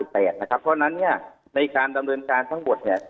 เพราะฉะนั้นในการดำเนินการทั้งหมด